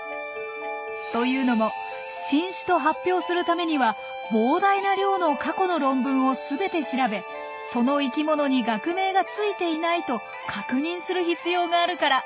というのも新種と発表するためには膨大な量の過去の論文を全て調べその生きものに学名がついていないと確認する必要があるから。